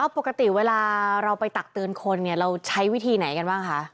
ปกติเวลาเราไปตักเตือนคนเราใช้วิธีไหนกันบ้างคะ